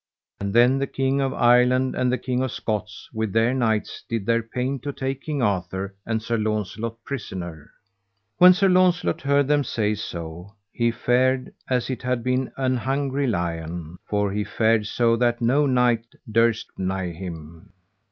And then the King of Ireland and the King of Scots with their knights did their pain to take King Arthur and Sir Launcelot prisoner. When Sir Launcelot heard them say so, he fared as it had been an hungry lion, for he fared so that no knight durst nigh him.